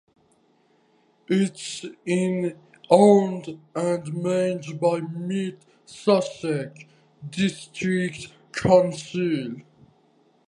It is owned and managed by Mid Sussex District Council.